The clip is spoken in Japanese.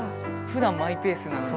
ふだんマイペースなのに。